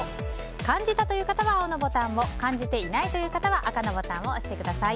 感じたという方は青のボタンを感じてないという方は赤のボタンを押してください。